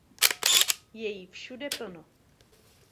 Je jí všude plno.